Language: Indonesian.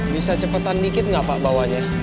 bisa cepetan dikit nggak pak bawanya